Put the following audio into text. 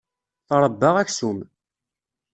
Tṛebba aksum.